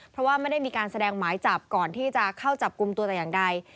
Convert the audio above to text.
เพราะว่าไม่ได้มีการแสดงหมายจับก่อนที่จะเข้าจับกลุ่มตัวแต่อย่างใด